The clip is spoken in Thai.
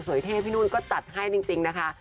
เท่พี่นุ่นก็จัดให้จริงนะคะ